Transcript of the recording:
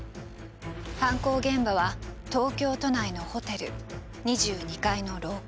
犯行現場は東京都内のホテル２２階の廊下。